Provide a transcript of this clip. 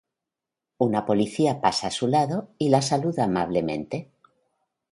Una policía pasa a su lado y la saluda amablemente.